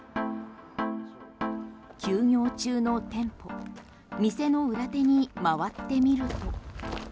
休業中の店舗店の裏手に回ってみると。